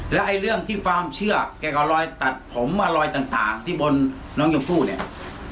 แล้วไอ้เรื่องที่ความเชื่อเกี่ยวกับรอยตัดผมว่ารอยต่างที่บนน้องชมพู่เนี่ย